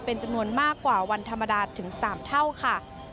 เป็นจำนวนมากกว่าวันธรรมดาถึง๓เท่าค่ะ